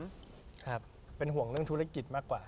ครับเป็นห่วงเรื่องธุรกิจมากกว่า